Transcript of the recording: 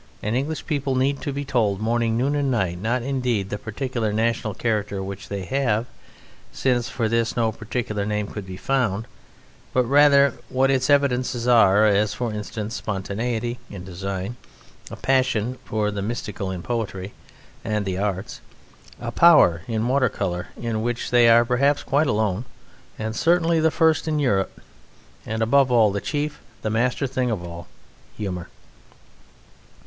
And English people need to be told morning, noon, and night, not indeed the particular national characteristic which they have, since for this no particular name could be found, but rather what its evidences are; as, for instance, spontaneity in design, a passion for the mystical in poetry and the arts; a power in water colour, in which they are perhaps quite alone, and certainly the first in Europe; and, above all, the chief, the master thing of all, humour.